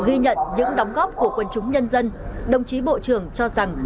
ghi nhận những đóng góp của quân chúng nhân dân đồng chí bộ trưởng cho rằng